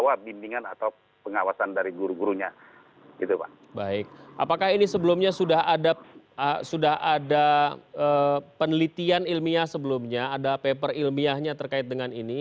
apakah ini sebelumnya sudah ada penelitian ilmiah sebelumnya ada paper ilmiahnya terkait dengan ini